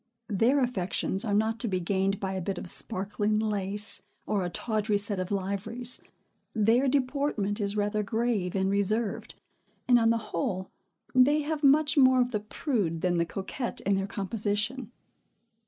Their affections are not to be gained by a bit of sparkling lace, or a tawdry set of liveries. Their deportment is rather grave and reserved; and, on the whole, they have much more of the prude than the coquette in their composition.